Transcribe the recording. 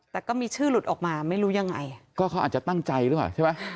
แต่ก็มีชื่อหลุดออกมาไม่รู้ยังไงก็เขาอาจจะตั้งใจหรือเปล่าใช่ไหม